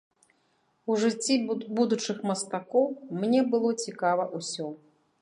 У жыцці будучых мастакоў мне было цікава ўсё.